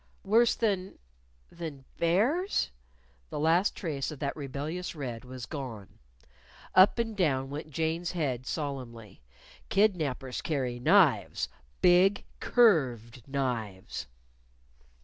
"Worse than than bears?" (The last trace of that rebellious red was gone.) Up and down went Jane's head solemnly. "Kidnapers carry knives big curved knives."